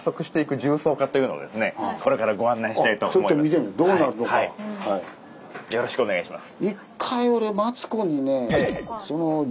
よろしくお願いします。